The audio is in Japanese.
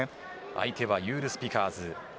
相手はユール・スピカーズです。